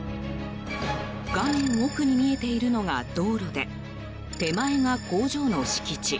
画面奥に見えているのが道路で手前が工場の敷地。